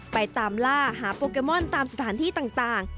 ไปตามล่าหาโปเกมอนตามสถานที่ต่าง